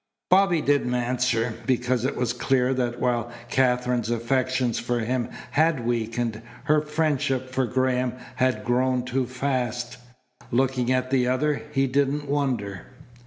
Bobby didn't answer, because it was clear that while Katherine's affection for him had weakened, her friendship for Graham had grown too fast. Looking at the other he didn't wonder.